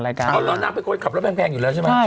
เพราะเหรอนางเป็นคนขับรถแพงอยู่แล้วใช่ไหม